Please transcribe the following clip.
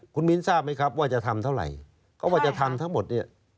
คุณมิ้นทราบไหมครับว่าจะทำเท่าไหร่เขาว่าจะทำทั้งหมดเนี่ย